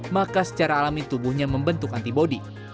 maka secara alami tubuhnya membentuk antibody